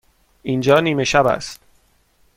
اینجا نیمه شب است.